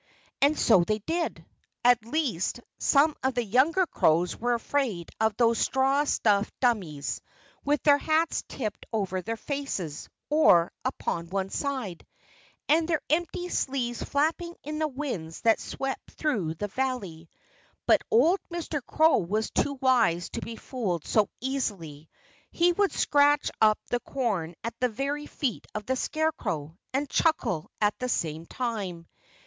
And so they did. At least, some of the younger crows were afraid of those straw stuffed dummies, with their hats tipped over their faces, or upon one side, and their empty sleeves flapping in the winds that swept through the valley. But old Mr. Crow was too wise to be fooled so easily. He would scratch up the corn at the very feet of a scarecrow and chuckle at the same time.